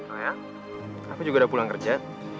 oh ya tapi juga udah pulang kerja